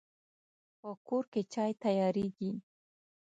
په کور کې چای تیاریږي